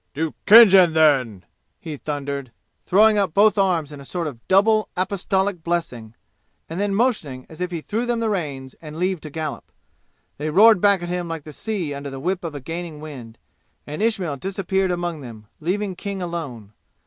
"To Khinjan, then!" he thundered, throwing up both arms in a sort of double apostolic blessing, and then motioning as if he threw them the reins and leave to gallop. They roared back at him like the sea under the whip of a gaining wind. And Ismail disappeared among them, leaving King alone.